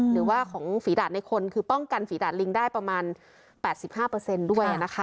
หรือว่าของฝีดาดในคนคือป้องกันฝีดาดลิงได้ประมาณ๘๕ด้วยนะคะ